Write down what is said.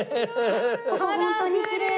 ここホントにきれいに。